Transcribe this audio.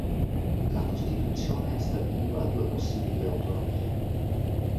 La Costituzione stabiliva due possibili autonomie.